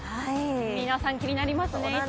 皆さん気になりますね。